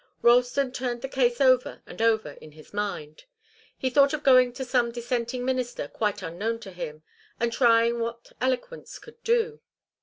Ralston turned the case over and over in his mind. He thought of going to some dissenting minister quite unknown to him, and trying what eloquence could do.